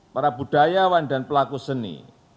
para budayawan dan pelaku seni